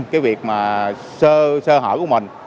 cái việc mà sơ hở của mình